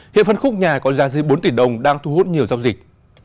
hiện phân khúc nhà có giá dưới bốn tỷ đồng đang thu hút nhiều giao dịch